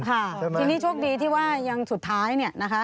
ทีนี้ช่วงดีที่ว่ายังสุดท้ายเนี่ย